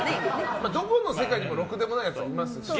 どこの世界にもろくでもないやつはいますしね。